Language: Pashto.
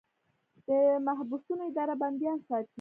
د محبسونو اداره بندیان ساتي